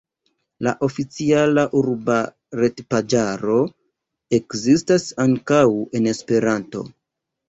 La oficiala urba retpaĝaro ekzistas ankaŭ en Esperanto.